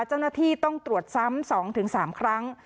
เจ้าหน้าที่ต้องตรวจซ้ำ๒๓ครั้ง